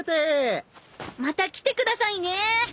また来てくださいね。